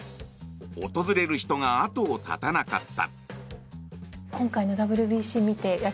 訪れる人が後を絶たなかった。